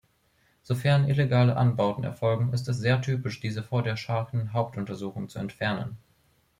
Sofern illegale Anbauten erfolgen, ist es sehr typisch, diese vor der Shaken-Hauptuntersuchung zu entfernen.